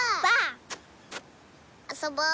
あそぼう！